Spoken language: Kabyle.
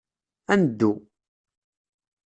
Ad neddu.